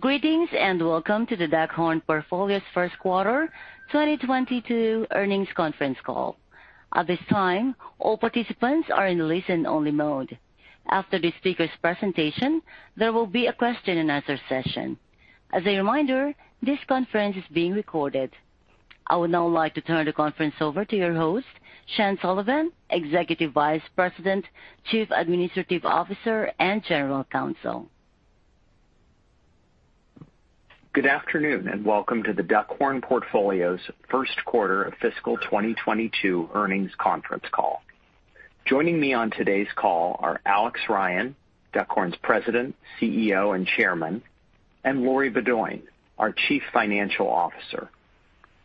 Greetings, and welcome to the Duckhorn Portfolio's first quarter 2022 earnings conference call. At this time, all participants are in listen-only mode. After the speaker's presentation, there will be a question-and-answer session. As a reminder, this conference is being recorded. I would now like to turn the conference over to your host, Sean Sullivan, Executive Vice President, Chief Administrative Officer, and General Counsel. Good afternoon, and welcome to The Duckhorn Portfolio's first quarter fiscal 2022 earnings conference call. Joining me on today's call are Alex Ryan, Duckhorn's President, CEO, and Chairman, and Lori Beaudoin, our Chief Financial Officer.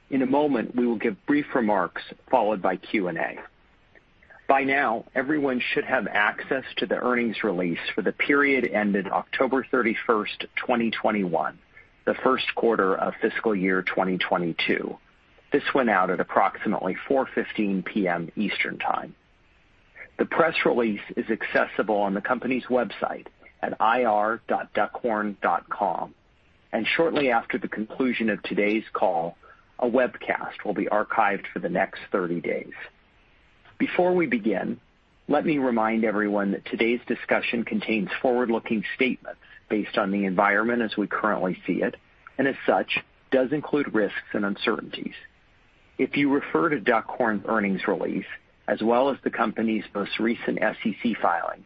In a moment, we will give brief remarks followed by Q&A. By now, everyone should have access to the earnings release for the period ended October 31, 2021, the first quarter of fiscal year 2022. This went out at approximately 4:15 P.M. Eastern Time. The press release is accessible on the company's website at ir.duckhorn.com. Shortly after the conclusion of today's call, a webcast will be archived for the next 30 days. Before we begin, let me remind everyone that today's discussion contains forward-looking statements based on the environment as we currently see it, and as such, does include risks and uncertainties. If you refer to Duckhorn's earnings release, as well as the company's most recent SEC filings,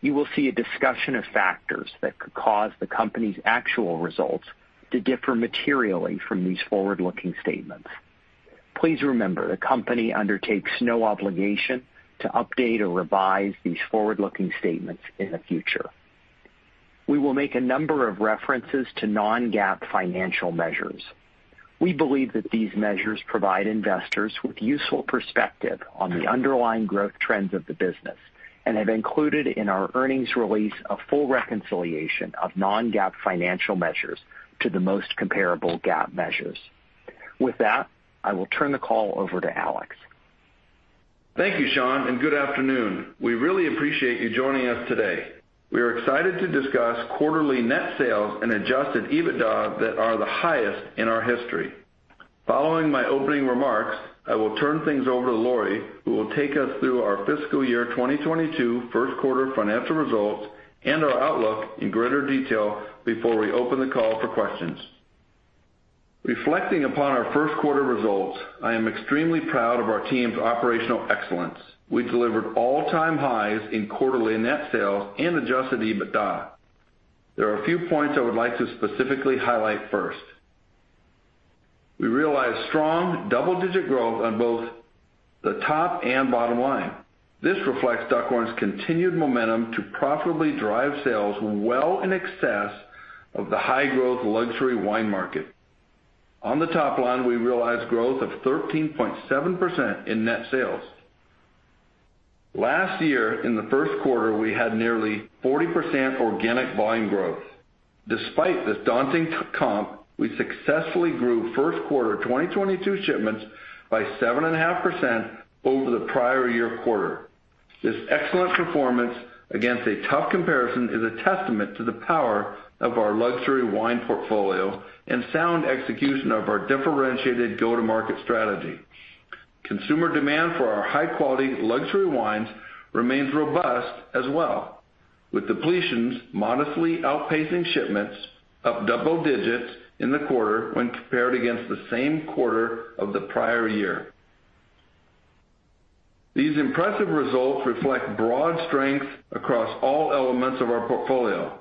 you will see a discussion of factors that could cause the company's actual results to differ materially from these forward-looking statements. Please remember, the company undertakes no obligation to update or revise these forward-looking statements in the future. We will make a number of references to non-GAAP financial measures. We believe that these measures provide investors with useful perspective on the underlying growth trends of the business and have included in our earnings release a full reconciliation of non-GAAP financial measures to the most comparable GAAP measures. With that, I will turn the call over to Alex. Thank you, Sean, and good afternoon. We really appreciate you joining us today. We are excited to discuss quarterly net sales and adjusted EBITDA that are the highest in our history. Following my opening remarks, I will turn things over to Lori, who will take us through our fiscal year 2022 first quarter financial results and our outlook in greater detail before we open the call for questions. Reflecting upon our first quarter results, I am extremely proud of our team's operational excellence. We delivered all-time highs in quarterly net sales and adjusted EBITDA. There are a few points I would like to specifically highlight first. We realized strong double-digit growth on both the top and bottom line. This reflects Duckhorn's continued momentum to profitably drive sales well in excess of the high-growth luxury wine market. On the top line, we realized growth of 13.7% in net sales. Last year in the first quarter, we had nearly 40% organic volume growth. Despite this daunting comp, we successfully grew first quarter 2022 shipments by 7.5% over the prior year quarter. This excellent performance against a tough comparison is a testament to the power of our luxury wine portfolio and sound execution of our differentiated go-to-market strategy. Consumer demand for our high-quality luxury wines remains robust as well, with depletions modestly outpacing shipments up double digits in the quarter when compared against the same quarter of the prior year. These impressive results reflect broad strength across all elements of our portfolio.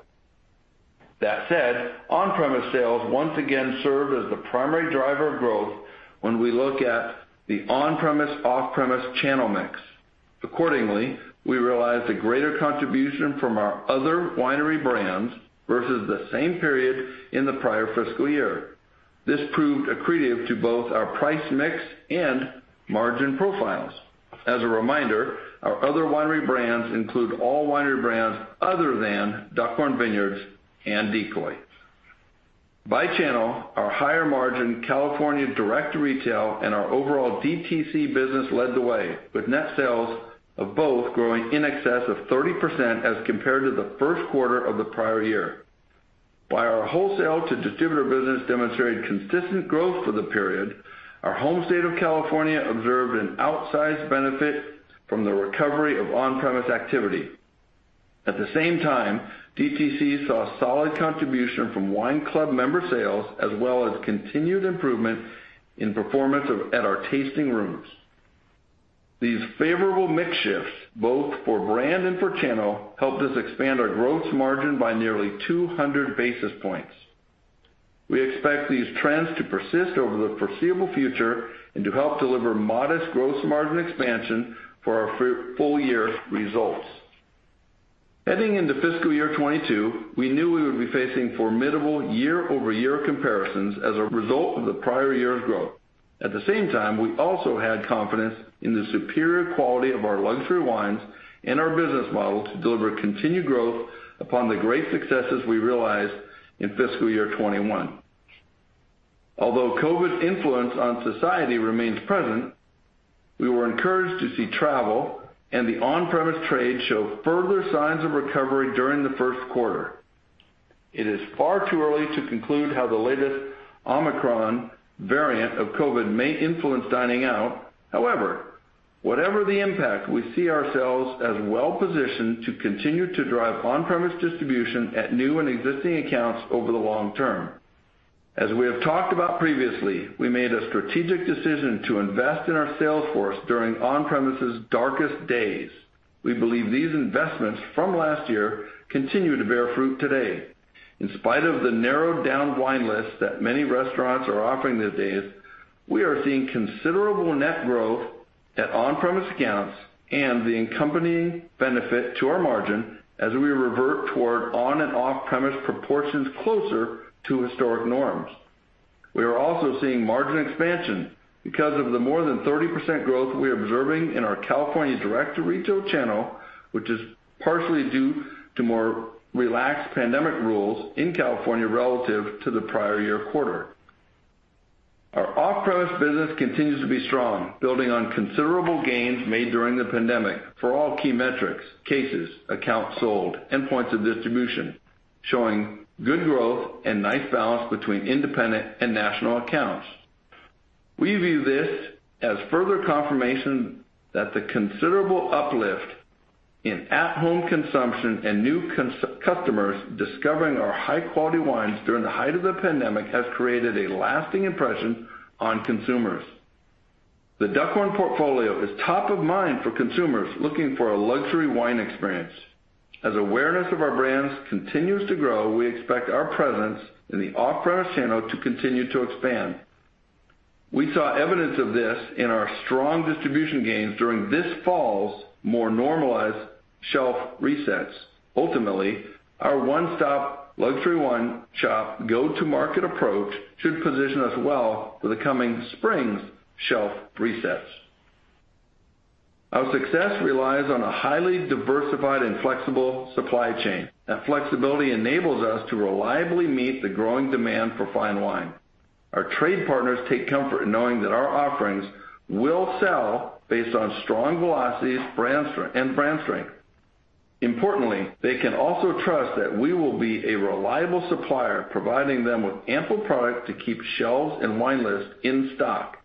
That said, on-premise sales once again served as the primary driver of growth when we look at the on-premise, off-premise channel mix. Accordingly, we realized a greater contribution from our other winery brands versus the same period in the prior fiscal year. This proved accretive to both our price mix and margin profiles. As a reminder, our other winery brands include all winery brands other than Duckhorn Vineyards and Decoy. By channel, our higher margin California direct retail and our overall DTC business led the way, with net sales of both growing in excess of 30% as compared to the first quarter of the prior year. While our wholesale to distributor business demonstrated consistent growth for the period, our home state of California observed an outsized benefit from the recovery of on-premise activity. At the same time, DTC saw solid contribution from wine club member sales as well as continued improvement in performance at our tasting rooms. These favorable mix shifts, both for brand and for channel, helped us expand our gross margin by nearly 200 basis points. We expect these trends to persist over the foreseeable future and to help deliver modest gross margin expansion for our full-year results. Heading into fiscal year 2022, we knew we would be facing formidable year-over-year comparisons as a result of the prior year's growth. At the same time, we also had confidence in the superior quality of our luxury wines and our business model to deliver continued growth upon the great successes we realized in fiscal year 2021. Although COVID's influence on society remains present, we were encouraged to see travel and the on-premise trade show further signs of recovery during the first quarter. It is far too early to conclude how the latest Omicron variant of COVID may influence dining out. However, whatever the impact, we see ourselves as well-positioned to continue to drive on-premise distribution at new and existing accounts over the long term. As we have talked about previously, we made a strategic decision to invest in our sales force during on-premise's darkest days. We believe these investments from last year continue to bear fruit today. In spite of the narrowed down wine list that many restaurants are offering these days, we are seeing considerable net growth at on-premise accounts and the accompanying benefit to our margin as we revert toward on and off-premise proportions closer to historic norms. We are also seeing margin expansion because of the more than 30% growth we are observing in our California direct-to-retail channel, which is partially due to more relaxed pandemic rules in California relative to the prior year quarter. Our off-premise business continues to be strong, building on considerable gains made during the pandemic for all key metrics, cases, accounts sold, and points of distribution, showing good growth and nice balance between independent and national accounts. We view this as further confirmation that the considerable uplift in at-home consumption and new customers discovering our high-quality wines during the height of the pandemic has created a lasting impression on consumers. The Duckhorn Portfolio is top of mind for consumers looking for a luxury wine experience. As awareness of our brands continues to grow, we expect our presence in the off-premise channel to continue to expand. We saw evidence of this in our strong distribution gains during this fall's more normalized shelf resets. Ultimately, our one-stop luxury wine shop go-to-market approach should position us well for the coming spring's shelf resets. Our success relies on a highly diversified and flexible supply chain. That flexibility enables us to reliably meet the growing demand for fine wine. Our trade partners take comfort in knowing that our offerings will sell based on strong velocities, brand strength. Importantly, they can also trust that we will be a reliable supplier, providing them with ample product to keep shelves and wine lists in stock.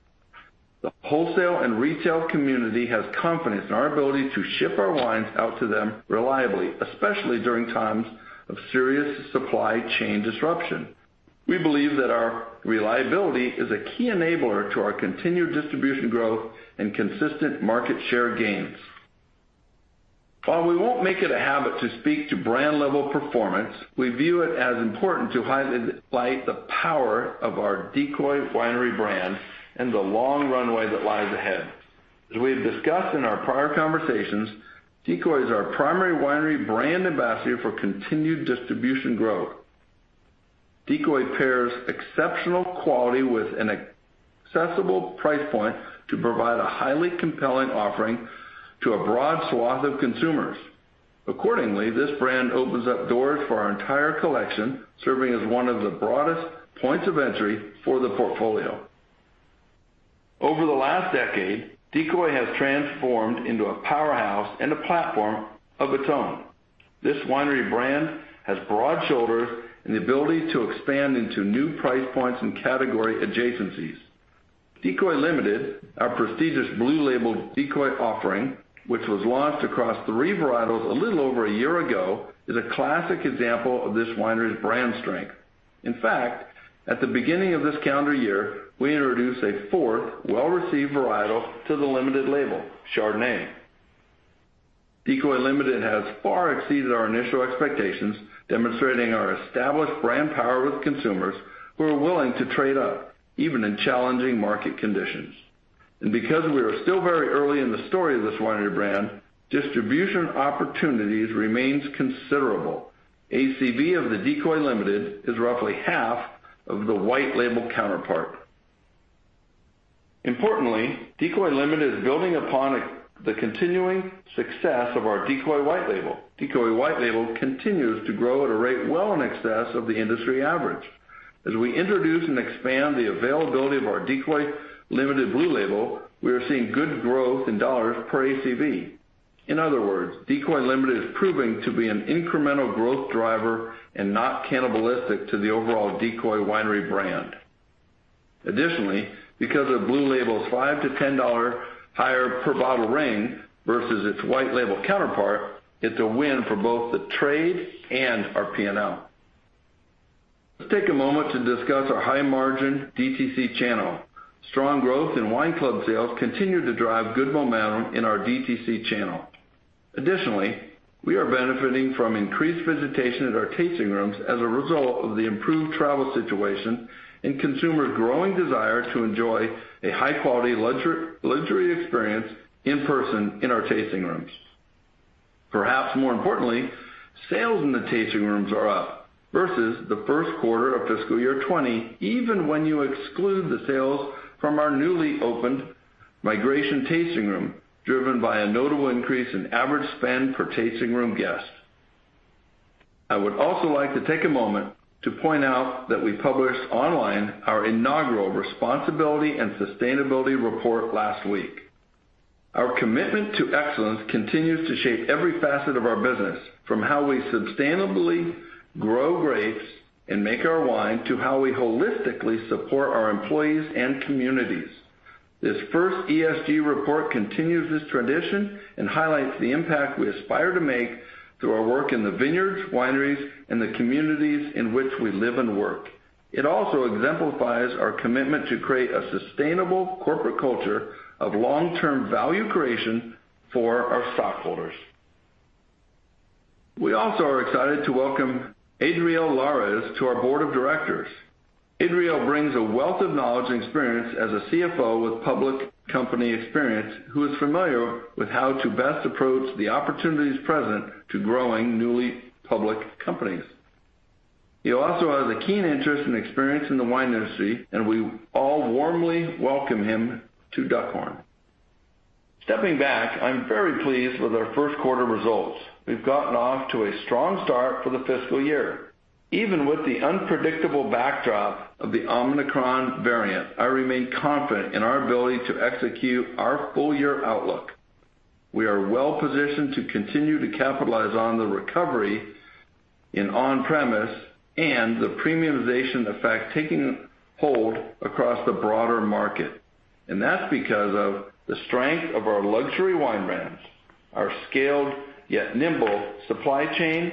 The wholesale and retail community has confidence in our ability to ship our wines out to them reliably, especially during times of serious supply chain disruption. We believe that our reliability is a key enabler to our continued distribution growth and consistent market share gains. While we won't make it a habit to speak to brand-level performance, we view it as important to highlight the power of our Decoy Winery brand and the long runway that lies ahead. As we have discussed in our prior conversations, Decoy is our primary winery brand ambassador for continued distribution growth. Decoy pairs exceptional quality with an accessible price point to provide a highly compelling offering to a broad swath of consumers. Accordingly, this brand opens up doors for our entire collection, serving as one of the broadest points of entry for the portfolio. Over the last decade, Decoy has transformed into a powerhouse and a platform of its own. This winery brand has broad shoulders and the ability to expand into new price points and category adjacencies. Decoy Limited, our prestigious blue label Decoy offering, which was launched across three varietals a little over a year ago, is a classic example of this winery's brand strength. In fact, at the beginning of this calendar year, we introduced a fourth well-received varietal to the limited label, Chardonnay. Decoy Limited has far exceeded our initial expectations, demonstrating our established brand power with consumers who are willing to trade up, even in challenging market conditions. Because we are still very early in the story of this winery brand, distribution opportunities remain considerable. ACV of the Decoy Limited is roughly half of the white label counterpart. Importantly, Decoy Limited is building upon the continuing success of our Decoy white label. Decoy white label continues to grow at a rate well in excess of the industry average. As we introduce and expand the availability of our Decoy Limited blue label, we are seeing good growth in $ per ACV. In other words, Decoy Limited is proving to be an incremental growth driver and not cannibalistic to the overall Decoy Winery brand. Additionally, because of blue label's $5-$10 higher per bottle ring versus its white label counterpart, it's a win for both the trade and our P&L. Let's take a moment to discuss our high-margin DTC channel. Strong growth in wine club sales continue to drive good momentum in our DTC channel. Additionally, we are benefiting from increased visitation at our tasting rooms as a result of the improved travel situation and consumers' growing desire to enjoy a high-quality luxury experience in person in our tasting rooms. Perhaps more importantly, sales in the tasting rooms are up versus the first quarter of fiscal year 2020, even when you exclude the sales from our newly opened Migration Tasting Room, driven by a notable increase in average spend per tasting room guest. I would also like to take a moment to point out that we published online our inaugural responsibility and sustainability report last week. Our commitment to excellence continues to shape every facet of our business, from how we sustainably grow grapes and make our wine to how we holistically support our employees and communities. This first ESG report continues this tradition and highlights the impact we aspire to make through our work in the vineyards, wineries, and the communities in which we live and work. It also exemplifies our commitment to create a sustainable corporate culture of long-term value creation for our stockholders. We also are excited to welcome Adriel Lares to our board of directors. Adriel brings a wealth of knowledge and experience as a CFO with public company experience, who is familiar with how to best approach the opportunities present to growing newly public companies. He also has a keen interest and experience in the wine industry, and we all warmly welcome him to Duckhorn. Stepping back, I'm very pleased with our first quarter results. We've gotten off to a strong start for the fiscal year. Even with the unpredictable backdrop of the Omicron variant, I remain confident in our ability to execute our full-year outlook. We are well-positioned to continue to capitalize on the recovery in on-premise and the premiumization effect taking hold across the broader market. That's because of the strength of our luxury wine brands, our scaled yet nimble supply chain,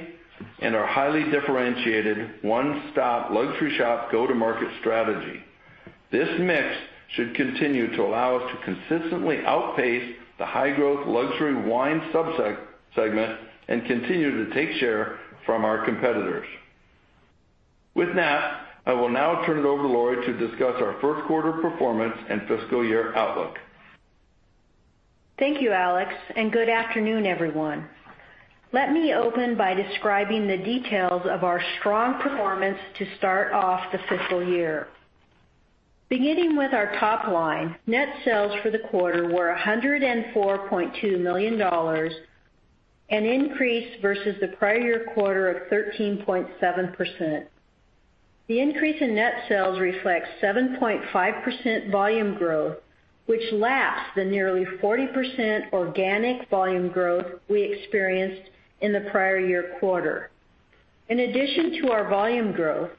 and our highly differentiated one-stop luxury shop go-to-market strategy. This mix should continue to allow us to consistently outpace the high-growth luxury wine sub-segment and continue to take share from our competitors. With that, I will now turn it over to Lori to discuss our first quarter performance and fiscal year outlook. Thank you, Alex, and good afternoon, everyone. Let me open by describing the details of our strong performance to start off the fiscal year. Beginning with our top line, net sales for the quarter were $104.2 million, an increase versus the prior year quarter of 13.7%. The increase in net sales reflects 7.5% volume growth, which laps the nearly 40% organic volume growth we experienced in the prior year quarter. In addition to our volume growth,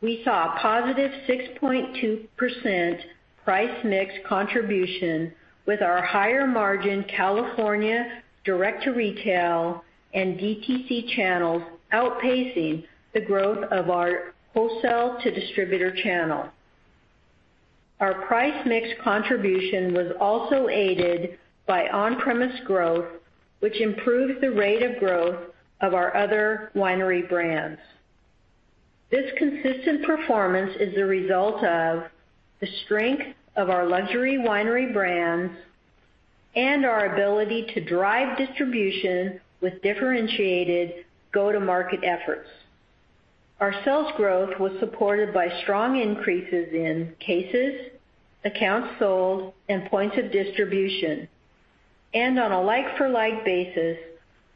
we saw a positive 6.2% price mix contribution with our higher margin California direct to retail and DTC channels outpacing the growth of our wholesale to distributor channel. Our price mix contribution was also aided by on-premise growth, which improved the rate of growth of our other winery brands. This consistent performance is the result of the strength of our luxury winery brands and our ability to drive distribution with differentiated go-to-market efforts. Our sales growth was supported by strong increases in cases, accounts sold, and points of distribution. On a like-for-like basis,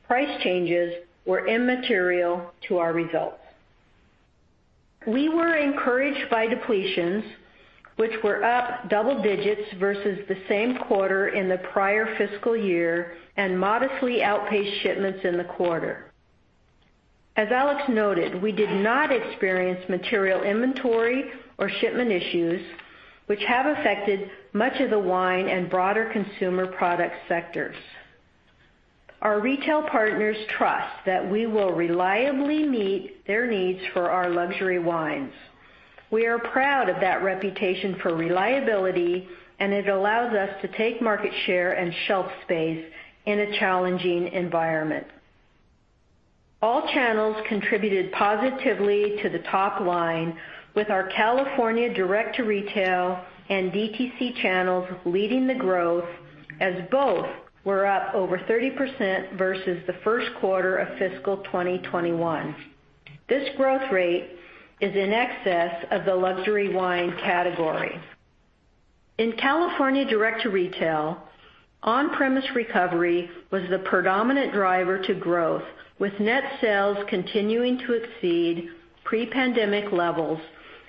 price changes were immaterial to our results. We were encouraged by depletions, which were up double digits versus the same quarter in the prior fiscal year and modestly outpaced shipments in the quarter. As Alex Ryan noted, we did not experience material inventory or shipment issues, which have affected much of the wine and broader consumer product sectors. Our retail partners trust that we will reliably meet their needs for our luxury wines. We are proud of that reputation for reliability, and it allows us to take market share and shelf space in a challenging environment. All channels contributed positively to the top line with our California direct to retail and DTC channels leading the growth as both were up over 30% versus the first quarter of fiscal 2021. This growth rate is in excess of the luxury wine category. In California direct to retail, on-premise recovery was the predominant driver to growth with net sales continuing to exceed pre-pandemic levels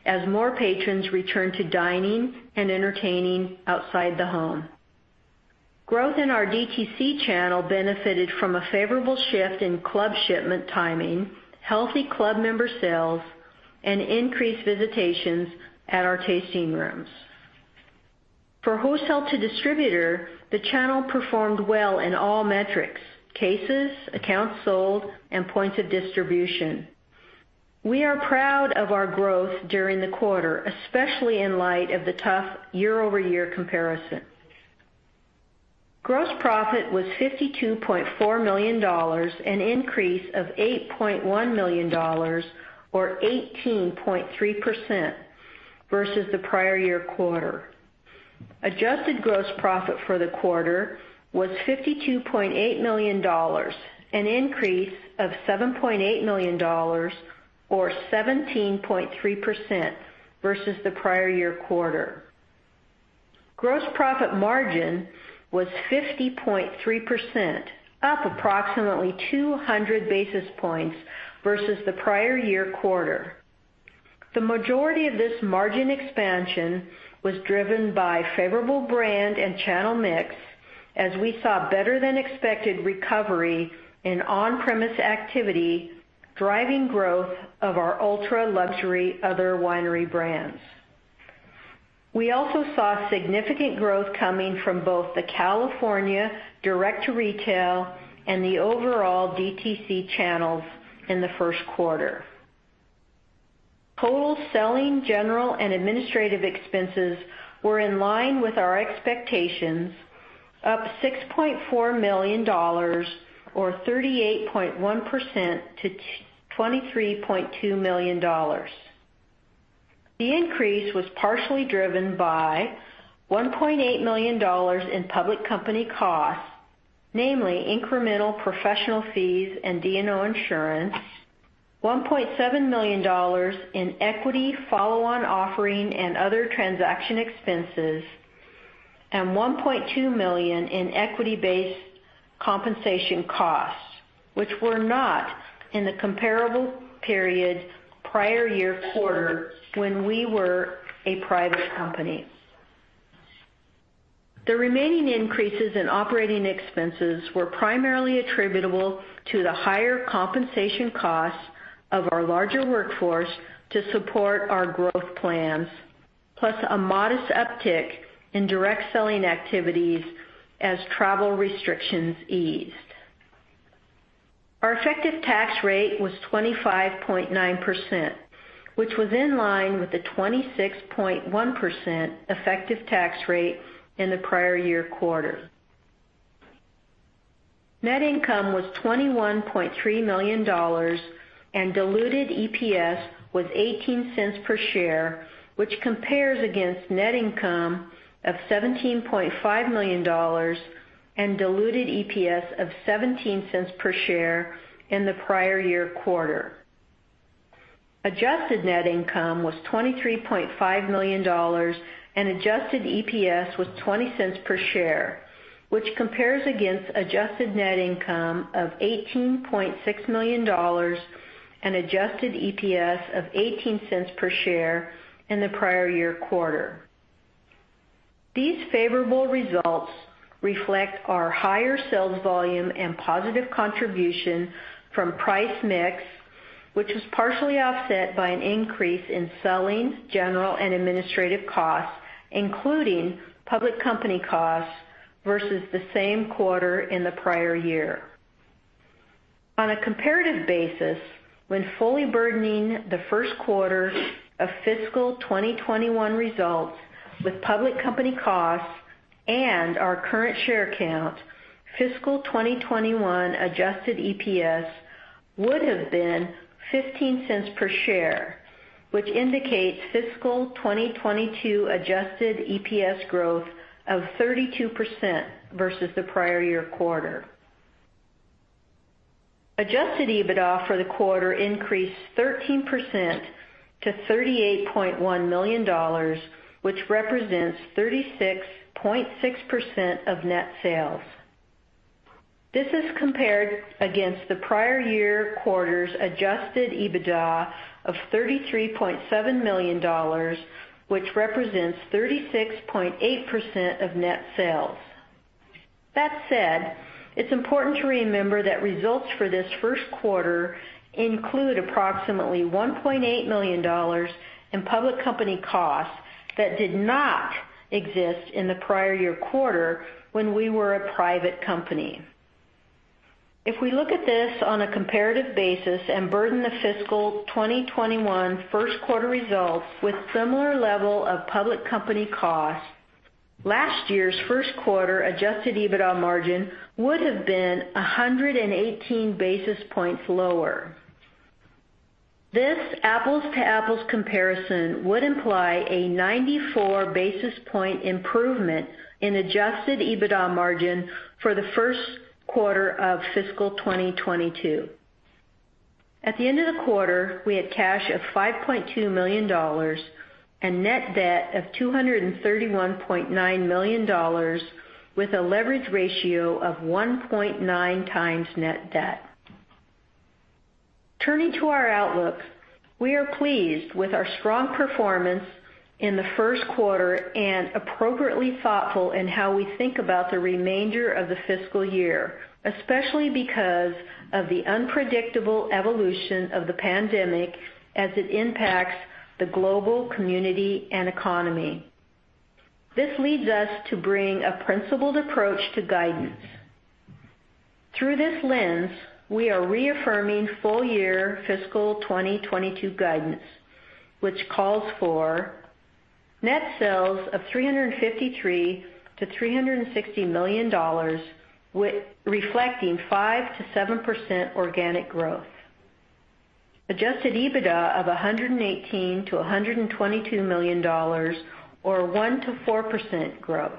as more patrons return to dining and entertaining outside the home. Growth in our DTC channel benefited from a favorable shift in club shipment timing, healthy club member sales, and increased visitations at our tasting rooms. For wholesale to distributor, the channel performed well in all metrics, cases, accounts sold, and points of distribution. We are proud of our growth during the quarter, especially in light of the tough year-over-year comparison. Gross profit was $52.4 million, an increase of $8.1 million or 18.3% versus the prior year quarter. Adjusted gross profit for the quarter was $52.8 million, an increase of $7.8 million or 17.3% versus the prior year quarter. Gross profit margin was 50.3%, up approximately 200 basis points versus the prior year quarter. The majority of this margin expansion was driven by favorable brand and channel mix as we saw better than expected recovery in on-premise activity, driving growth of our ultra-luxury other winery brands. We also saw significant growth coming from both the California direct to retail and the overall DTC channels in the first quarter. Total selling, general and administrative expenses were in line with our expectations, up $6.4 million or 38.1% to $23.2 million. The increase was partially driven by $1.8 million in public company costs, namely incremental professional fees and D&O insurance, $1.7 million in equity follow-on offering and other transaction expenses, and $1.2 million in equity-based compensation costs, which were not in the comparable period prior year quarter when we were a private company. The remaining increases in operating expenses were primarily attributable to the higher compensation costs of our larger workforce to support our growth plans, plus a modest uptick in direct selling activities as travel restrictions eased. Our effective tax rate was 25.9%, which was in line with the 26.1% effective tax rate in the prior year quarter. Net income was $21.3 million and diluted EPS was $0.18 per share, which compares against net income of $17.5 million and diluted EPS of $0.17 per share in the prior year quarter. Adjusted net income was $23.5 million and adjusted EPS was $0.20 per share, which compares against adjusted net income of $18.6 million and adjusted EPS of $0.18 per share in the prior year quarter. These favorable results reflect our higher sales volume and positive contribution from price mix, which was partially offset by an increase in selling, general and administrative costs, including public company costs versus the same quarter in the prior year. On a comparative basis, when fully burdening the first quarter of fiscal 2021 results with public company costs and our current share count, fiscal 2021 adjusted EPS would have been $0.15 per share, which indicates fiscal 2022 adjusted EPS growth of 32% versus the prior year quarter. Adjusted EBITDA for the quarter increased 13% to $38.1 million, which represents 36.6% of net sales. This is compared against the prior year quarter's adjusted EBITDA of $33.7 million, which represents 36.8% of net sales. That said, it's important to remember that results for this first quarter include approximately $1.8 million in public company costs that did not exist in the prior year quarter when we were a private company. If we look at this on a comparative basis and burden the fiscal 2021 first quarter results with similar level of public company costs, last year's first quarter adjusted EBITDA margin would have been 118 basis points lower. This apples to apples comparison would imply a 94 basis point improvement in adjusted EBITDA margin for the first quarter of fiscal 2022. At the end of the quarter, we had cash of $5.2 million and net debt of $231.9 million with a leverage ratio of 1.9x net debt. Turning to our outlook, we are pleased with our strong performance in the first quarter and appropriately thoughtful in how we think about the remainder of the fiscal year, especially because of the unpredictable evolution of the pandemic as it impacts the global community and economy. This leads us to bring a principled approach to guidance. Through this lens, we are reaffirming full year fiscal 2022 guidance, which calls for net sales of $353 million-$360 million, reflecting 5%-7% organic growth. Adjusted EBITDA of $118 million-$122 million or 1%-4% growth.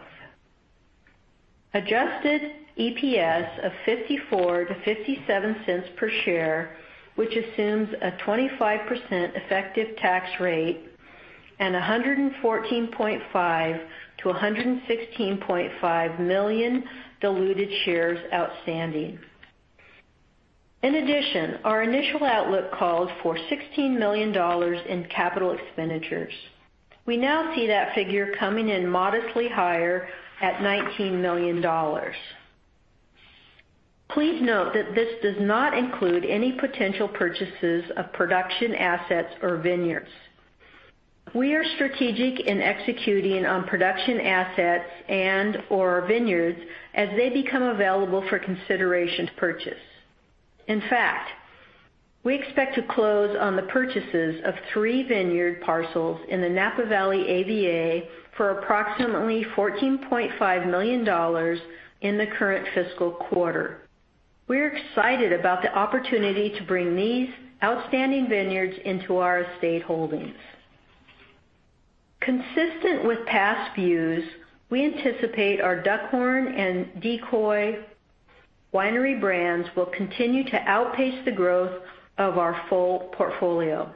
Adjusted EPS of 54-57 cents per share, which assumes a 25% effective tax rate and 114.5 million-116.5 million diluted shares outstanding. In addition, our initial outlook called for $16 million in capital expenditures. We now see that figure coming in modestly higher at $19 million. Please note that this does not include any potential purchases of production assets or vineyards. We are strategic in executing on production assets and/or vineyards as they become available for consideration to purchase. In fact, we expect to close on the purchases of three vineyard parcels in the Napa Valley AVA for approximately $14.5 million in the current fiscal quarter. We're excited about the opportunity to bring these outstanding vineyards into our estate holdings. Consistent with past views, we anticipate our Duckhorn and Decoy brands will continue to outpace the growth of our full portfolio.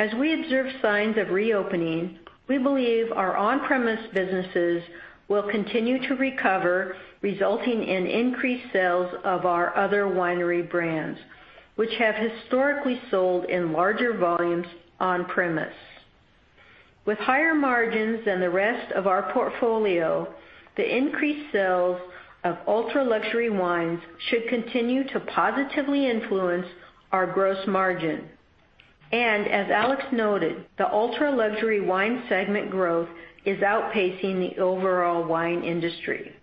As we observe signs of reopening, we believe our on-premise businesses will continue to recover, resulting in increased sales of our other winery brands, which have historically sold in larger volumes on premise. With higher margins than the rest of our portfolio, the increased sales of ultra-luxury wines should continue to positively influence our gross margin. As Alex noted, the ultra-luxury wine segment growth is outpacing the overall wine industry.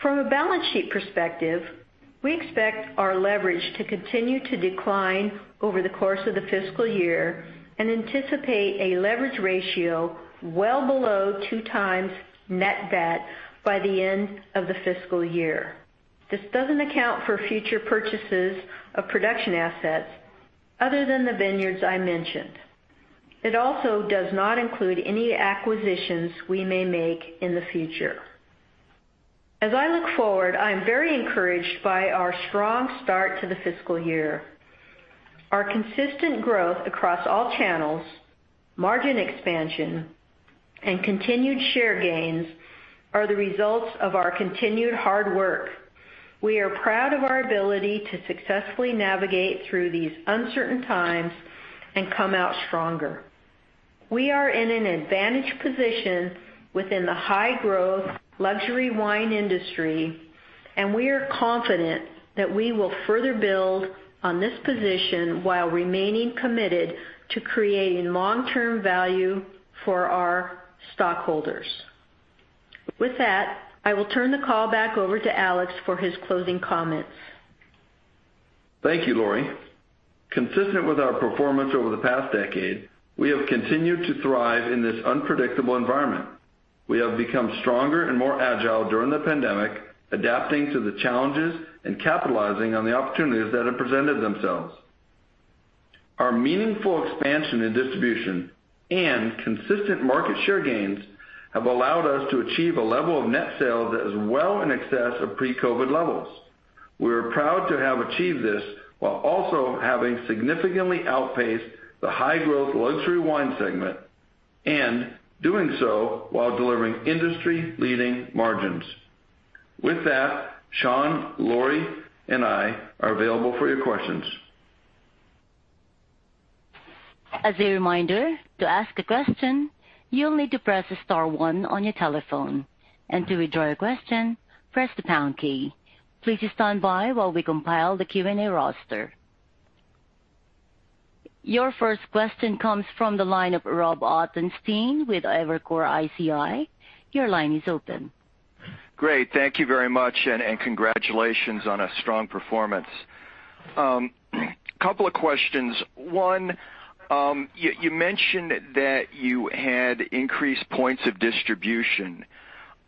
From a balance sheet perspective, we expect our leverage to continue to decline over the course of the fiscal year and anticipate a leverage ratio well below two times net debt by the end of the fiscal year. This doesn't account for future purchases of production assets other than the vineyards I mentioned. It also does not include any acquisitions we may make in the future. As I look forward, I am very encouraged by our strong start to the fiscal year. Our consistent growth across all channels, margin expansion, and continued share gains are the results of our continued hard work. We are proud of our ability to successfully navigate through these uncertain times and come out stronger. We are in an advantaged position within the high-growth luxury wine industry, and we are confident that we will further build on this position while remaining committed to creating long-term value for our stockholders. With that, I will turn the call back over to Alex for his closing comments. Thank you, Lori. Consistent with our performance over the past decade, we have continued to thrive in this unpredictable environment. We have become stronger and more agile during the pandemic, adapting to the challenges and capitalizing on the opportunities that have presented themselves. Our meaningful expansion in distribution and consistent market share gains have allowed us to achieve a level of net sales that is well in excess of pre-COVID levels. We are proud to have achieved this while also having significantly outpaced the high-growth luxury wine segment, and doing so while delivering industry-leading margins. With that, Sean, Lori, and I are available for your questions. As a reminder, to ask a question, you'll need to press star one on your telephone. To withdraw your question, press the pound key. Please stand by while we compile the Q&A roster. Your first question comes from the line of Robert Ottenstein with Evercore ISI. Your line is open. Great. Thank you very much, and congratulations on a strong performance. Couple of questions. One, you mentioned that you had increased points of distribution.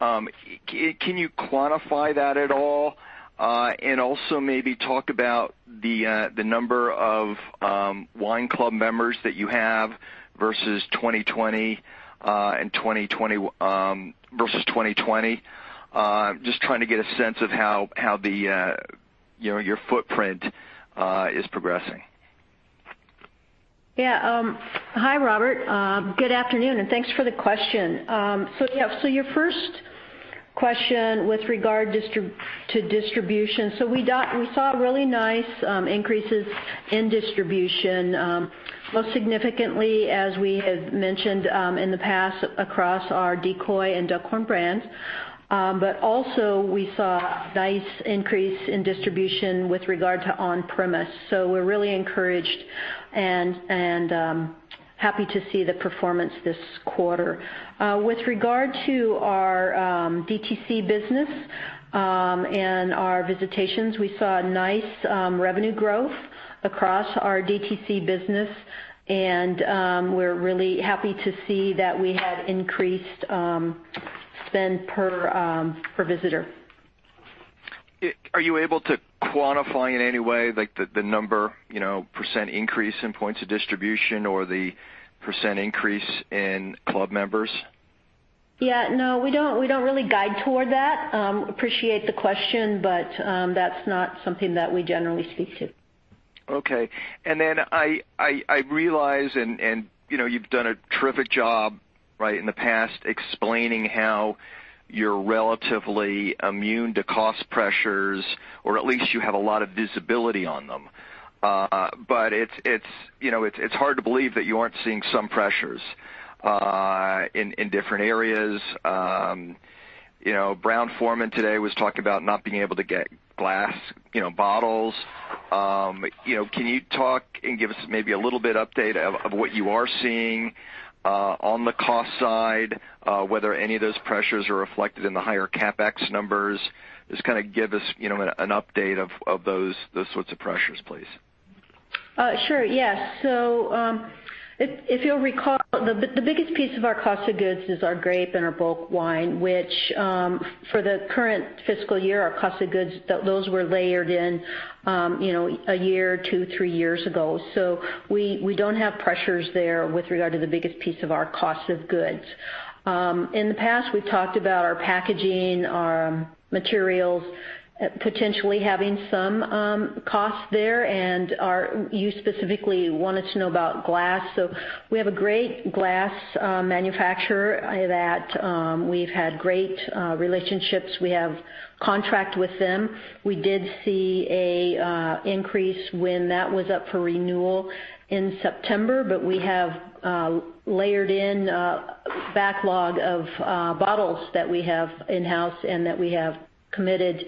Can you quantify that at all? Also maybe talk about the number of wine club members that you have versus 2020. Just trying to get a sense of how you know, your footprint is progressing. Hi, Robert. Good afternoon, and thanks for the question. Your first question with regard to distribution. We saw really nice increases in distribution, most significantly, as we have mentioned in the past, across our Decoy and Duckhorn brands. But also we saw nice increase in distribution with regard to on-premise. We're really encouraged and happy to see the performance this quarter. With regard to our DTC business and our visitations, we saw nice revenue growth across our DTC business, and we're really happy to see that we had increased spend per visitor. Are you able to quantify in any way, like the number, you know, % increase in points of distribution or the % increase in club members? Yeah, no, we don't really guide toward that. Appreciate the question, but that's not something that we generally speak to. Okay. I realize, you know, you've done a terrific job, right, in the past explaining how you're relatively immune to cost pressures, or at least you have a lot of visibility on them. It's hard to believe that you aren't seeing some pressures in different areas. You know, Brown-Forman today was talking about not being able to get glass, you know, bottles. You know, can you talk and give us maybe a little bit update of what you are seeing on the cost side, whether any of those pressures are reflected in the higher CapEx numbers? Just kinda give us, you know, an update of those sorts of pressures, please. Sure, yes. If you'll recall, the biggest piece of our cost of goods is our grape and our bulk wine, which, for the current fiscal year, our cost of goods, those were layered in, you know, a year or two, three years ago. We don't have pressures there with regard to the biggest piece of our cost of goods. In the past, we've talked about our packaging, our materials potentially having some costs there. You specifically wanted to know about glass. We have a great glass manufacturer that we've had great relationships. We have contract with them. We did see an increase when that was up for renewal in September, but we have layered in a backlog of bottles that we have in-house and that we have committed.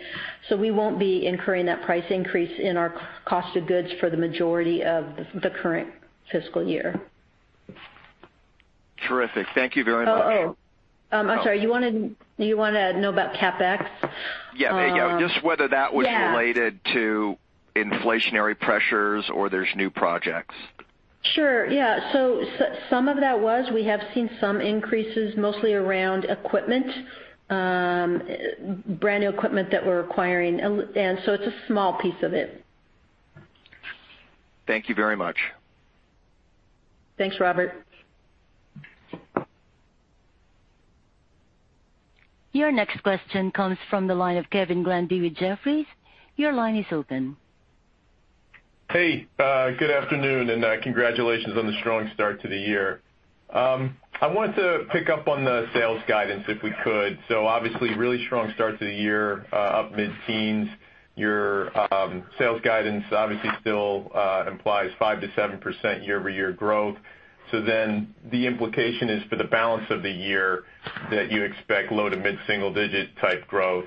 We won't be incurring that price increase in our cost of goods for the majority of the current fiscal year. Terrific. Thank you very much. I'm sorry, you wanna know about CapEx? Yeah, yeah. Just whether that was. Yeah. related to inflationary pressures or there's new projects. Sure, yeah. Some of that was. We have seen some increases, mostly around equipment, brand-new equipment that we're acquiring. It's a small piece of it. Thank you very much. Thanks, Robert. Your next question comes from the line of Kevin Grundy with Jefferies. Your line is open. Hey, good afternoon, and congratulations on the strong start to the year. I wanted to pick up on the sales guidance, if we could. Obviously, really strong start to the year, up mid-teens. Your sales guidance obviously still implies 5%-7% year-over-year growth. The implication is for the balance of the year that you expect low- to mid-single-digit type growth.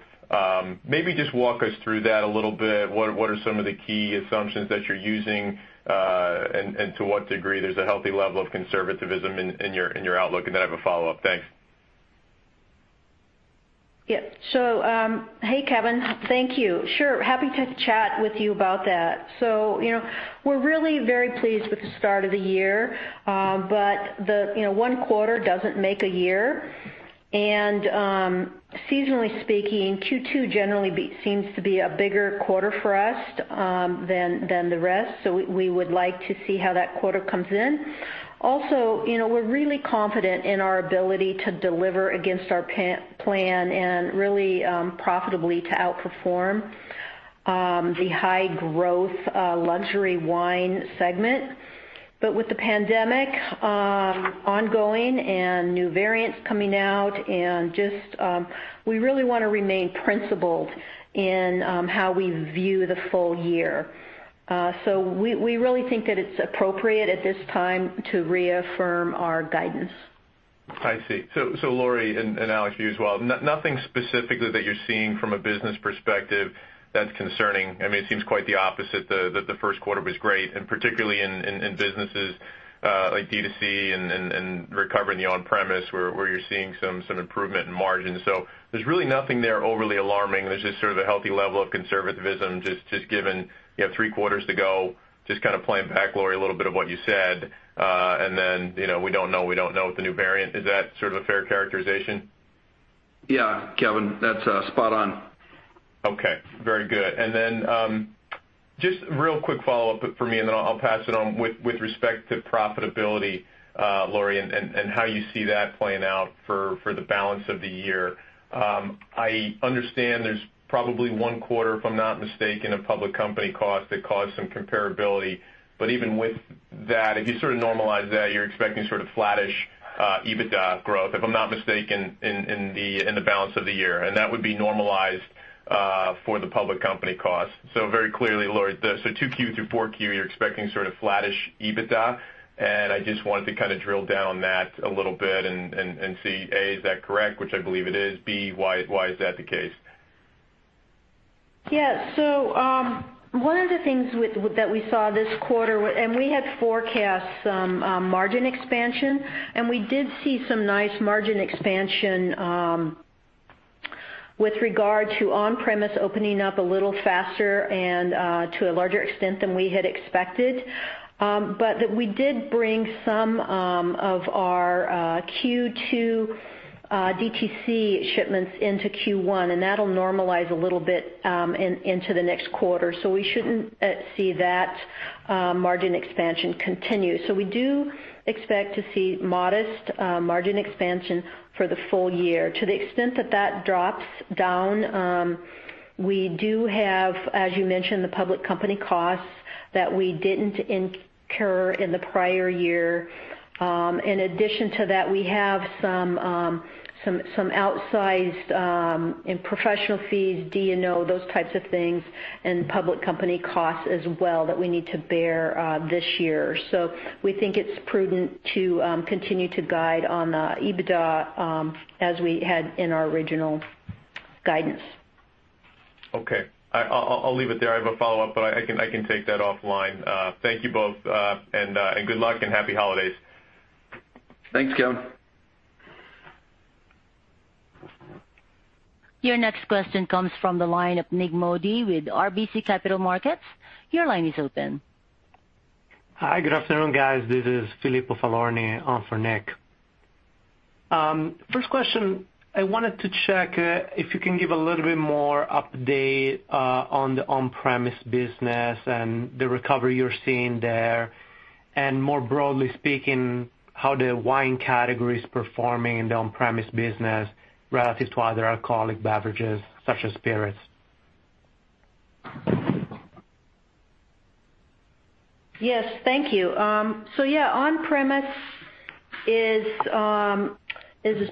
Maybe just walk us through that a little bit. What are some of the key assumptions that you're using, and to what degree there's a healthy level of conservatism in your outlook? Then I have a follow-up. Thanks. Yeah. Hey, Kevin. Thank you. Sure, happy to chat with you about that. You know, we're really very pleased with the start of the year, but, you know, one quarter doesn't make a year. Seasonally speaking, Q2 generally seems to be a bigger quarter for us than the rest. We would like to see how that quarter comes in. Also, you know, we're really confident in our ability to deliver against our plan and really profitably to outperform the high-growth luxury wine segment. But with the pandemic ongoing and new variants coming out and just, we really wanna remain principled in how we view the full year. We really think that it's appropriate at this time to reaffirm our guidance. I see. Lori, and Alex for you as well, nothing specifically that you're seeing from a business perspective that's concerning. I mean, it seems quite the opposite, that the first quarter was great, and particularly in businesses like DTC and recovering the on-premise where you're seeing some improvement in margins. There's really nothing there overly alarming. There's just sort of a healthy level of conservatism just given you have three quarters to go, just kind of playing back Lori a little bit of what you said. Then, you know, we don't know with the new variant. Is that sort of a fair characterization? Yeah, Kevin, that's spot on. Okay, very good. Just real quick follow-up for me, and then I'll pass it on. With respect to profitability, Lori, and how you see that playing out for the balance of the year. I understand there's probably one quarter, if I'm not mistaken, of public company costs that cause some comparability. Even with that, if you sort of normalize that, you're expecting sort of flattish EBITDA growth, if I'm not mistaken, in the balance of the year, and that would be normalized for the public company costs. Very clearly, Lori, so 2Q through 4Q, you're expecting sort of flattish EBITDA. I just wanted to kinda drill down on that a little bit and see, A, is that correct, which I believe it is, B, why is that the case? Yeah. One of the things that we saw this quarter, and we had forecast some margin expansion, and we did see some nice margin expansion with regard to on-premise opening up a little faster and to a larger extent than we had expected. That we did bring some of our Q2 DTC shipments into Q1, and that'll normalize a little bit into the next quarter. We shouldn't see that margin expansion continue. We do expect to see modest margin expansion for the full year. To the extent that that drops down, we do have, as you mentioned, the public company costs that we didn't incur in the prior year. In addition to that, we have some outsized in professional fees, D&O, those types of things, and public company costs as well that we need to bear this year. We think it's prudent to continue to guide on the EBITDA as we had in our original guidance. Okay. I'll leave it there. I have a follow-up, but I can take that offline. Thank you both, and good luck and happy holidays. Thanks, Kevin. Your next question comes from the line of Nik Modi with RBC Capital Markets. Your line is open. Hi. Good afternoon, guys. This is Filippo Falorni on for Nik. First question, I wanted to check if you can give a little bit more update on the on-premise business and the recovery you're seeing there, and more broadly speaking, how the wine category is performing in the on-premise business relative to other alcoholic beverages such as spirits. Yes. Thank you. Yeah, on-premise is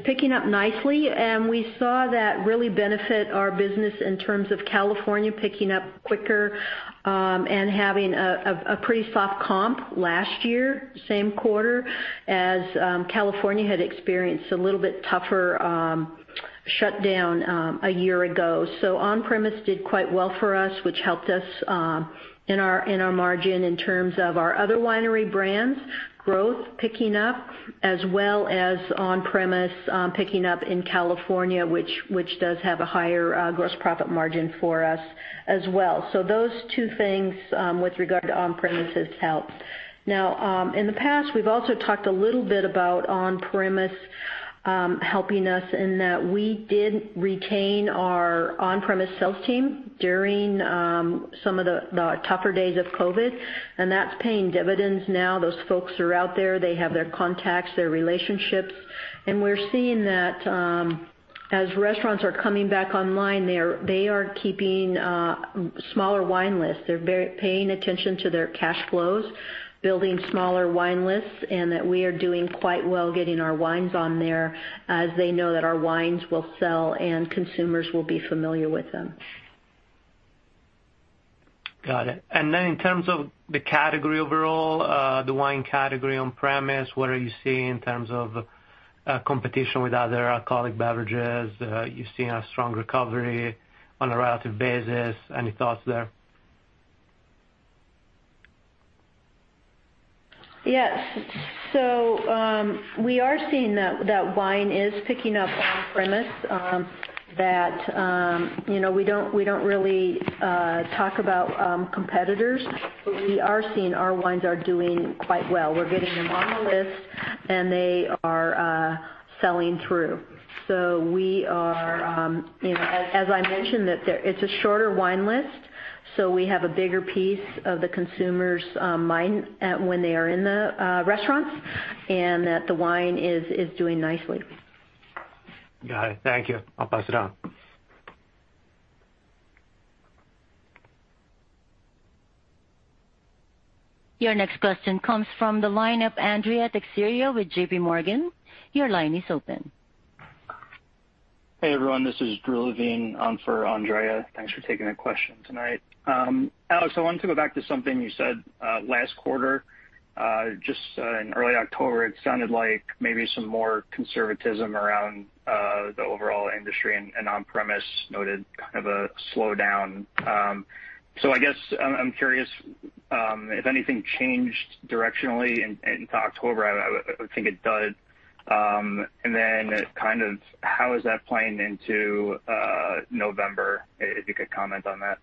picking up nicely, and we saw that really benefit our business in terms of California picking up quicker, and having a pretty soft comp last year, same quarter, as California had experienced a little bit tougher shutdown a year ago. On-premise did quite well for us, which helped us in our margin in terms of our other winery brands growth picking up, as well as on-premise picking up in California, which does have a higher gross profit margin for us as well. Those two things with regard to on-premise has helped. Now, in the past, we've also talked a little bit about on-premise helping us and that we did retain our on-premise sales team during some of the tougher days of COVID, and that's paying dividends now. Those folks are out there. They have their contacts, their relationships, and we're seeing that as restaurants are coming back online, they are keeping smaller wine lists. They're paying attention to their cash flows, building smaller wine lists, and that we are doing quite well getting our wines on there as they know that our wines will sell and consumers will be familiar with them. Got it. In terms of the category overall, the wine category on premise, what are you seeing in terms of competition with other alcoholic beverages? You've seen a strong recovery on a relative basis. Any thoughts there? Yes. We are seeing that wine is picking up on-premise, that you know, we don't really talk about competitors, but we are seeing our wines are doing quite well. We're getting them on the list, and they are selling through. We are, you know, as I mentioned it's a shorter wine list, so we have a bigger piece of the consumer's mind when they are in the restaurants, and that the wine is doing nicely. Got it. Thank you. I'll pass it on. Your next question comes from the line of Andrea Teixeira with JP Morgan. Your line is open. Hey, everyone, this is Drew Levine on for Andrea. Thanks for taking the question tonight. Alex, I wanted to go back to something you said last quarter. Just in early October, it sounded like maybe some more conservatism around the overall industry and on-premise noted kind of a slowdown. I guess I'm curious if anything changed directionally in to October. I think it does. Then kind of how is that playing into November, if you could comment on that?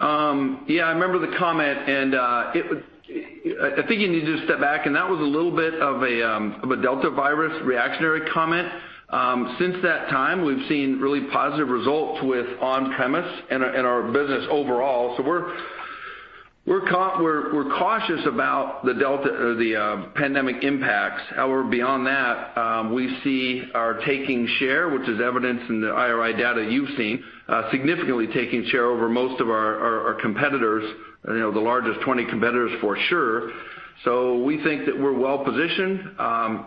Yeah, I remember the comment and it was I think you need to step back, and that was a little bit of a Delta virus reactionary comment. Since that time, we've seen really positive results with on-premise and our business overall. We're cautious about the Delta or the pandemic impacts. However, beyond that, we see we are taking share, which is evidenced in the IRI data you've seen, significantly taking share over most of our competitors, you know, the largest 20 competitors for sure. We think that we're well positioned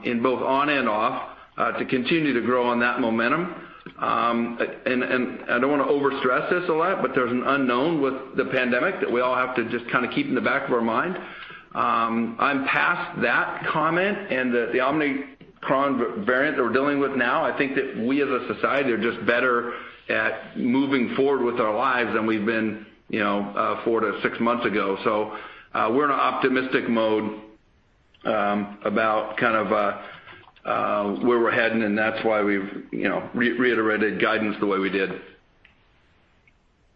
in both on and off to continue to grow on that momentum. I don't wanna overstress this a lot, but there's an unknown with the pandemic that we all have to just kinda keep in the back of our mind. I'm past that comment and the Omicron variant that we're dealing with now. I think that we as a society are just better at moving forward with our lives than we've been, you know, four to six months ago. We're in an optimistic mode about kind of where we're heading, and that's why we've, you know, reiterated guidance the way we did.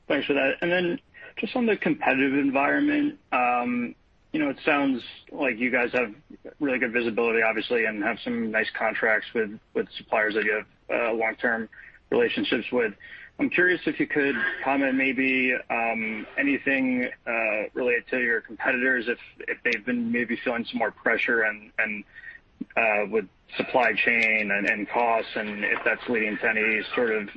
Thanks for that. Just on the competitive environment, you know, it sounds like you guys have really good visibility obviously, and have some nice contracts with suppliers that you have long-term relationships with. I'm curious if you could comment maybe anything related to your competitors if they've been maybe feeling some more pressure and with supply chain and costs, and if that's leading to any sort of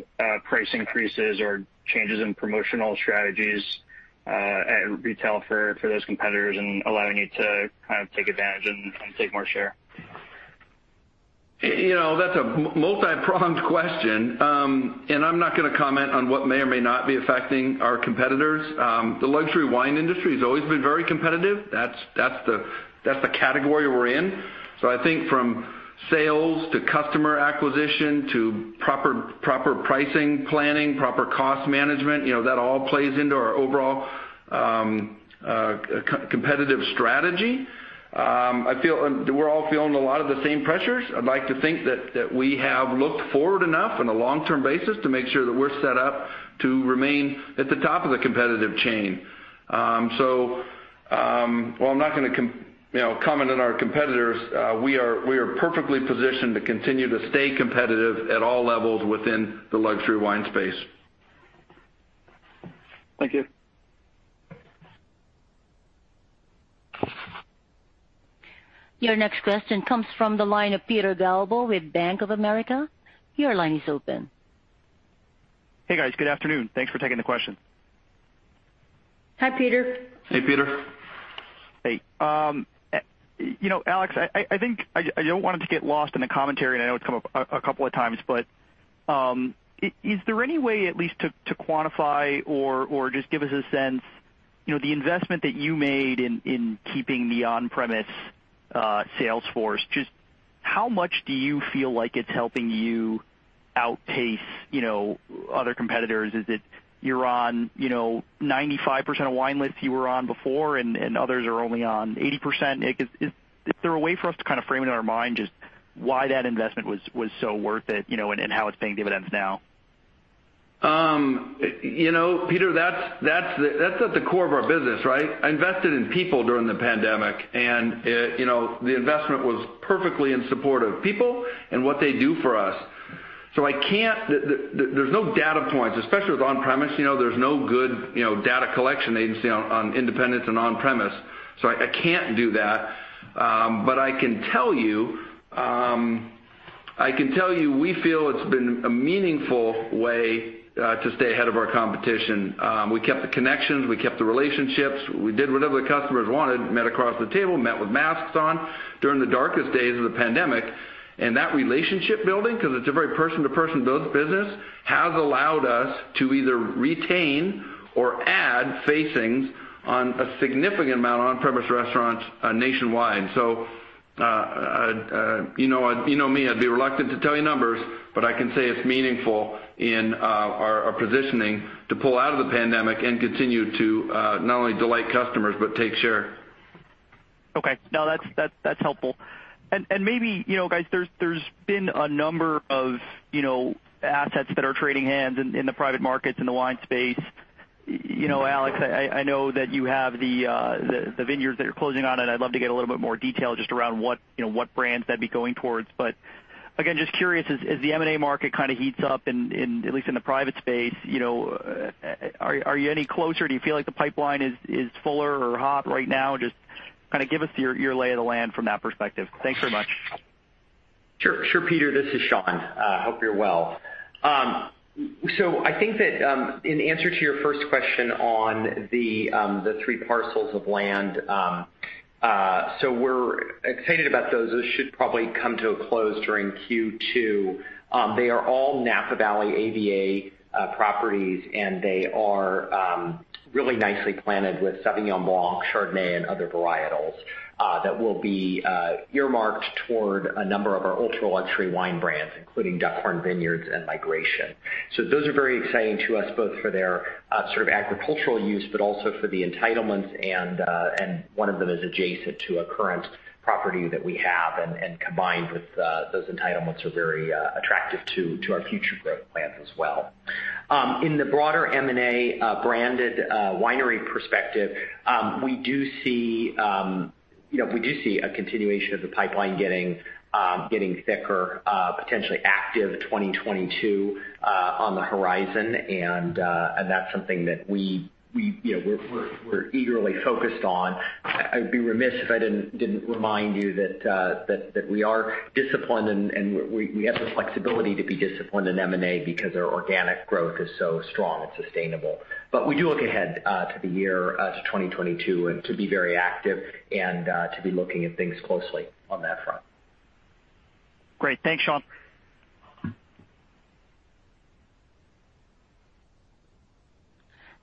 price increases or changes in promotional strategies at retail for those competitors and allowing you to kind of take advantage and take more share. You know, that's a multi-pronged question. I'm not gonna comment on what may or may not be affecting our competitors. The luxury wine industry has always been very competitive. That's the category we're in. I think from sales to customer acquisition to proper pricing, planning, proper cost management, you know, that all plays into our overall competitive strategy. We're all feeling a lot of the same pressures. I'd like to think that we have looked forward enough on a long-term basis to make sure that we're set up to remain at the top of the competitive chain. While I'm not gonna comment on our competitors, we are perfectly positioned to continue to stay competitive at all levels within the luxury wine space. Thank you. Your next question comes from the line of Peter Galbo with Bank of America. Your line is open. Hey, guys. Good afternoon. Thanks for taking the question. Hi, Peter. Hey, Peter. Hey. You know, Alex, I think I don't want it to get lost in the commentary, and I know it's come up a couple of times, but is there any way at least to quantify or just give us a sense, you know, the investment that you made in keeping the on-premise sales force, just how much do you feel like it's helping you outpace, you know, other competitors? Is it you're on, you know, 95% of wine lists you were on before, and others are only on 80%? Like, is there a way for us to kind of frame it in our mind just why that investment was so worth it, you know, and how it's paying dividends now? You know, Peter, that's at the core of our business, right? I invested in people during the pandemic, and you know, the investment was perfectly in support of people and what they do for us. I can't. There's no data points, especially with on-premise, you know? There's no good you know, data collection agency on independents and on-premise, so I can't do that. I can tell you we feel it's been a meaningful way to stay ahead of our competition. We kept the connections, we kept the relationships. We did whatever the customers wanted, met across the table, met with masks on during the darkest days of the pandemic. That relationship building, 'cause it's a very person-to-person built business, has allowed us to either retain or add facings on a significant amount of on-premise restaurants nationwide. You know me, I'd be reluctant to tell you numbers, but I can say it's meaningful in our positioning to pull out of the pandemic and continue to not only delight customers but take share. Okay. No, that's helpful. Maybe, you know, guys, there's been a number of, you know, assets that are trading hands in the private markets in the wine space. You know, Alex, I know that you have the vineyards that you're closing on, and I'd love to get a little bit more detail just around what, you know, what brands that'd be going towards. Again, just curious, as the M&A market kind of heats up in at least in the private space, you know, are you any closer? Do you feel like the pipeline is fuller or hot right now? Just kind of give us your lay of the land from that perspective. Thanks very much. Sure, Peter. This is Sean. Hope you're well. I think that, in answer to your first question on the three parcels of land, we're excited about those. Those should probably come to a close during Q2. They are all Napa Valley AVA properties, and they are really nicely planted with Sauvignon Blanc, Chardonnay, and other varietals that will be earmarked toward a number of our ultra-luxury wine brands, including Duckhorn Vineyards and Migration. Those are very exciting to us both for their sort of agricultural use, but also for the entitlements and one of them is adjacent to a current property that we have, and combined with those entitlements are very attractive to our future growth plans as well. In the broader M&A, branded, winery perspective, we do see, you know, we do see a continuation of the pipeline getting thicker, potentially active 2022 on the horizon, and that's something that you know, we're eagerly focused on. I would be remiss if I didn't remind you that we are disciplined and we have the flexibility to be disciplined in M&A because our organic growth is so strong and sustainable. We do look ahead to the year to 2022 and to be very active and to be looking at things closely on that front. Great. Thanks, Sean.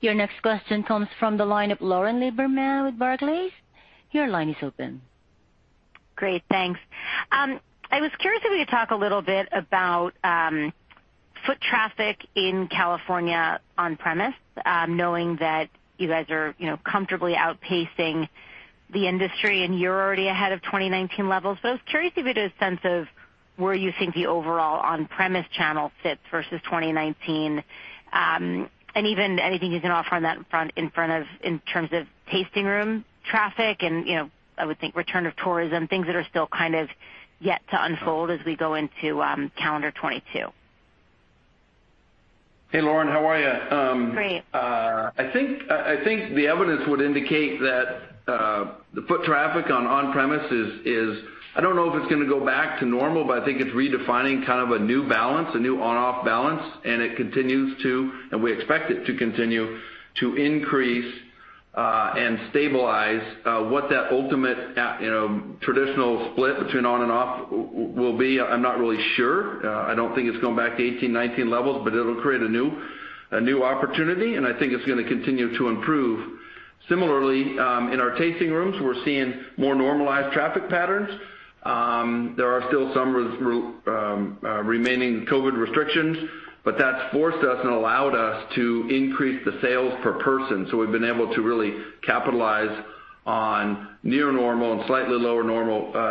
Your next question comes from the line of Lauren Lieberman with Barclays. Your line is open. Great, thanks. I was curious if you could talk a little bit about foot traffic in California on-premise, knowing that you guys are, you know, comfortably outpacing the industry and you're already ahead of 2019 levels. I was curious if you had a sense of where you think the overall on-premise channel sits versus 2019, and even anything you can offer on that front in terms of tasting room traffic, and, you know, I would think return of tourism, things that are still kind of yet to unfold as we go into calendar 2022. Hey, Lauren, how are you? Great. I think the evidence would indicate that the foot traffic on on-premise is. I don't know if it's gonna go back to normal, but I think it's redefining kind of a new balance, a new on/off balance, and we expect it to continue to increase and stabilize what that ultimate, you know, traditional split between on and off will be, I'm not really sure. I don't think it's going back to 2018, 2019 levels, but it'll create a new opportunity, and I think it's gonna continue to improve. Similarly, in our tasting rooms, we're seeing more normalized traffic patterns. There are still some remaining COVID restrictions, but that's forced us and allowed us to increase the sales per person. We've been able to really capitalize on near normal and slightly lower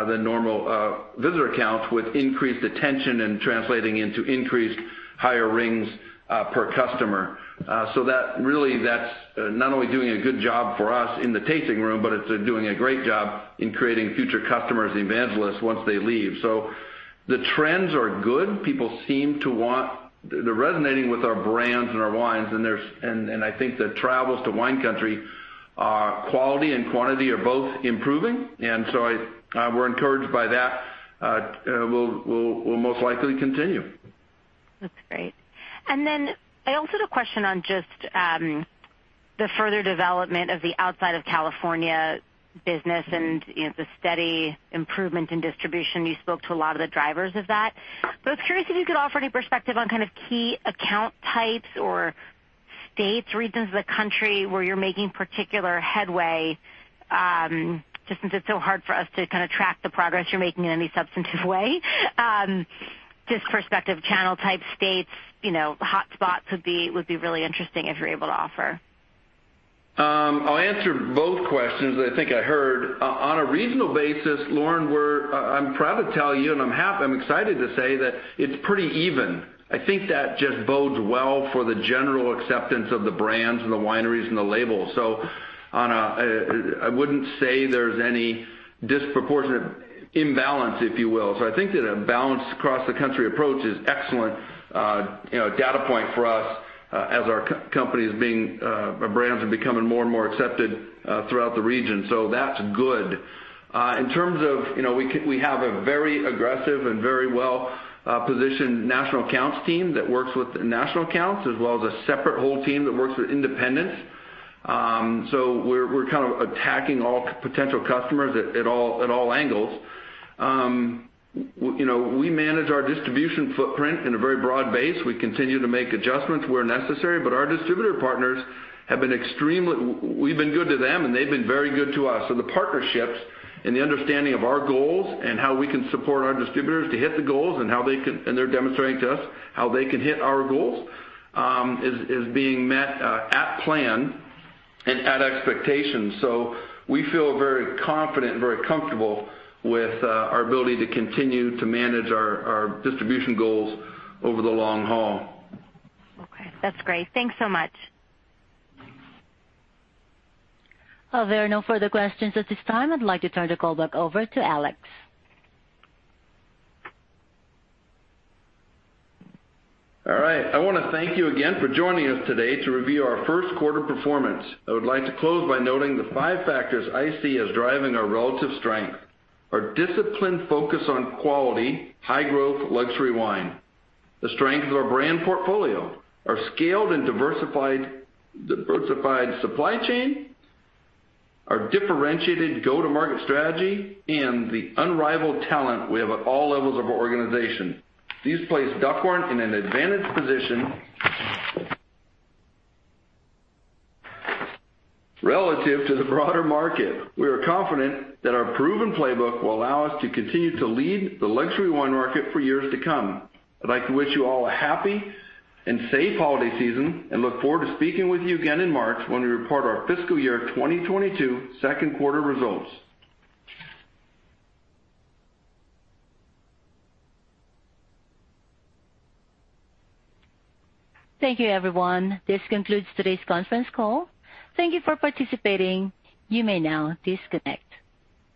than normal visitor counts with increased attention and translating into increased higher rings per customer. That really, that's not only doing a good job for us in the tasting room, but it's doing a great job in creating future customers, the evangelists, once they leave. The trends are good. People seem to want. They're resonating with our brands and our wines, and I think the travels to wine country quality and quantity are both improving, and we're encouraged by that. We'll most likely continue. That's great. Then I also had a question on just the further development of the outside of California business and, you know, the steady improvement in distribution. You spoke to a lot of the drivers of that. I was curious if you could offer any perspective on kind of key account types or states, regions of the country where you're making particular headway, just since it's so hard for us to kind of track the progress you're making in any substantive way. Just perspective, channel type states, you know, hotspots would be really interesting if you're able to offer. I'll answer both questions I think I heard. On a regional basis, Lauren, I'm proud to tell you, and I'm excited to say that it's pretty even. I think that just bodes well for the general acceptance of the brands and the wineries and the labels. On a, I wouldn't say there's any disproportionate imbalance, if you will. I think that a balanced cross-country approach is excellent, you know, data point for us, as our company is being, our brands are becoming more and more accepted throughout the region. That's good. In terms of, you know, we have a very aggressive and very well positioned national accounts team that works with national accounts as well as a separate wholesale team that works with independents. We're kind of attacking all potential customers at all angles. You know, we manage our distribution footprint in a very broad base. We continue to make adjustments where necessary, but our distributor partners have been extremely, we've been good to them, and they've been very good to us. The partnerships and the understanding of our goals and how we can support our distributors to hit the goals and they're demonstrating to us how they can hit our goals is being met at plan and at expectations. We feel very confident and very comfortable with our ability to continue to manage our distribution goals over the long haul. Okay, that's great. Thanks so much. There are no further questions at this time. I'd like to turn the call back over to Alex. All right. I wanna thank you again for joining us today to review our first quarter performance. I would like to close by noting the five factors I see as driving our relative strength, our disciplined focus on quality, high-growth luxury wine, the strength of our brand portfolio, our scaled and diversified supply chain, our differentiated go-to-market strategy, and the unrivaled talent we have at all levels of our organization. These place Duckhorn in an advantaged position relative to the broader market. We are confident that our proven playbook will allow us to continue to lead the luxury wine market for years to come. I'd like to wish you all a happy and safe holiday season and look forward to speaking with you again in March when we report our fiscal year 2022 second quarter results. Thank you, everyone. This concludes today's conference call. Thank you for participating. You may now disconnect.